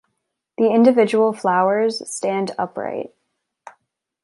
The individual flowers stand upright.